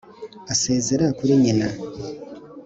Asezera kuri nyina